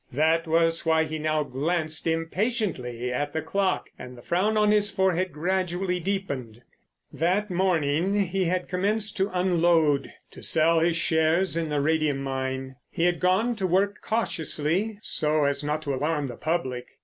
That was why he now glanced impatiently at the clock and the frown on his forehead gradually deepened. That morning he had commenced to unload—to sell his shares in the radium mine. He had gone to work cautiously so as not to alarm the public.